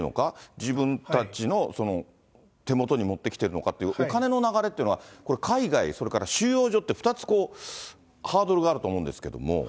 自分たちの手元に持ってきているのかというお金の流れってのは、これ、海外それから収容所って、２つ、ハードルがあると思うんですけれども。